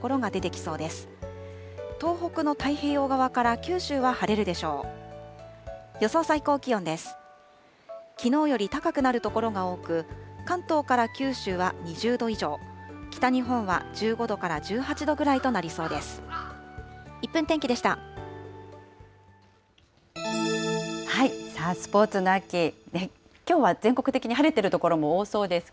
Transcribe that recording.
きのうより高くなる所が多く、関東から九州は２０度以上、北日本は１５度から１８度ぐらいとなりそうです。